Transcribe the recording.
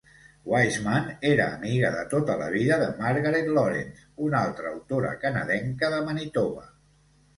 Wiseman era amiga de tota la vida de Margaret Laurence, una altra autora canadenca de Manitoba.